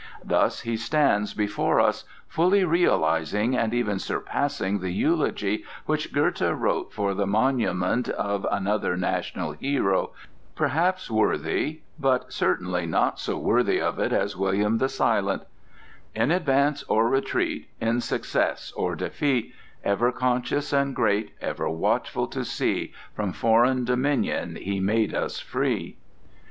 Thus he stands before us fully realizing and even surpassing the eulogy which Goethe wrote for the monument of another national hero, perhaps worthy, but certainly not so worthy of it as William the Silent:— "In advance or retreat, In success or defeat, Ever conscious and great, Ever watchful to see, From foreign dominion he made us free!"